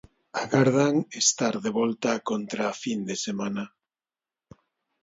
Agardan estar de volta contra a fin de semana.